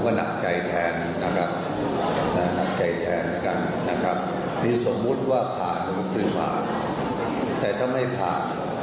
ก็หนักใจแทนนะครับในสมมุติว่าผ่านคือผ่านแต่ถ้าไม่ผ่าน